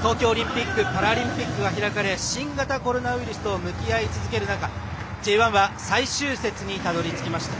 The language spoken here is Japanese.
東京オリンピック・パラリンピックが開かれ新型コロナウイルスと向き合う中Ｊリーグは最終節にたどりつきました。